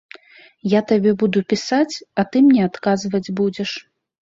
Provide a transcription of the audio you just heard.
Я табе буду пісаць, а ты мне адказваць будзеш.